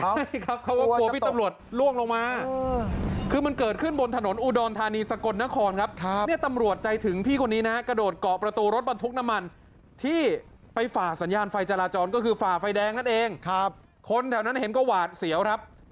ใช่ครับเค้าว่ากลัวพี่ตำรวจล่วงลงมาคือมันเกิดขึ้นบนถนนอุดรธานีสะกดนครครับ